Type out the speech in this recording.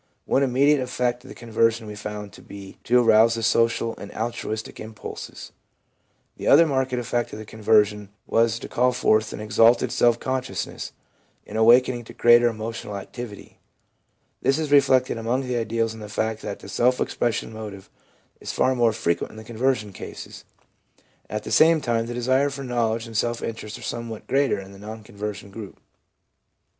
One immediate effect of con version we found to be to arouse the social and altruistic impulses. The other marked effect of conversion was to call forth an exalted self consciousness, an awaken ing to greater emotional activity. This is reflected among the ideals in the fact that the self expression motive is far more frequent in the conversion cases. At the same time, the desire for knowledge and self interest are somewhat greater in the non conversion group.